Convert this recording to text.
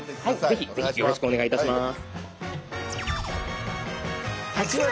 ぜひぜひよろしくお願いいたします。